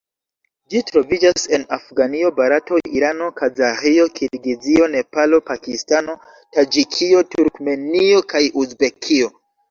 Ĝi troviĝas en Afganio, Barato, Irano, Kazaĥio, Kirgizio, Nepalo, Pakistano, Taĝikio, Turkmenio kaj Uzbekio.